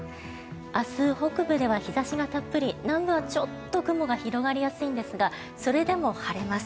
明日、北部では日差しがたっぷり南部はちょっと雲が広がりやすいんですがそれでも晴れます。